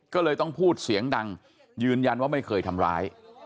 ก็เลยต้องพูดเสียงดังยืนยันว่าไม่เคยทำร้าย